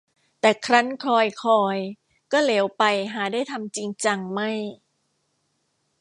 แต่ครั้นคอยคอย ก็เหลวไปหาได้ทำจริงจังไม่